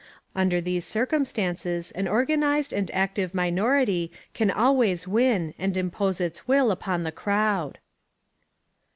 Under these circumstances an organised and active minority can always win and impose its will upon the crowd.